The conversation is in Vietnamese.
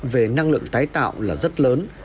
về năng lượng tái tạo là rất lớn